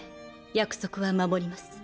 約束は守ります。